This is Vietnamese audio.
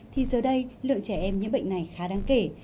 thì giờ đây lượng trẻ em nhiễm bệnh này khá đáng kể